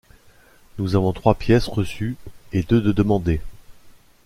Nous avons trois pièces reçues et deux de demandées.